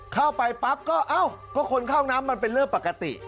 เข้าไปปั๊บก็เอ้าก็คนเข้าน้ำมันเป็นเรื่องปกติ